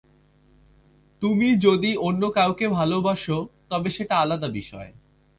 তুমি যদি অন্য কাউকে ভালোবাসো, তবে সেটা আলাদা বিষয়।